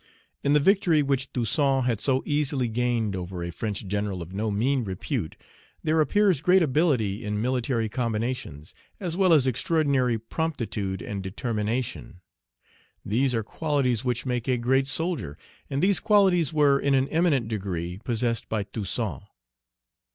In the victory which Toussaint had so easily gained over a French general of no mean repute, there appears great ability in military combinations, as well as extraordinary promptitude and determination. These are qualities which make a great soldier; and these qualities were in an eminent degree possessed by Toussaint.